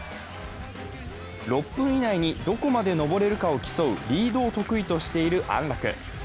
６分以内に、どこまで登れるかを競うリードを得意としている安楽。